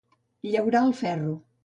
Llaurar el ferro.